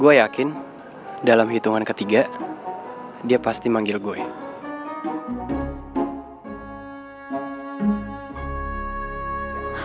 gue yakin dalam hitungan ketiga dia pasti manggil gue